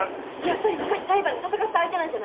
やっぱり昔裁判で戦った相手なんじゃない？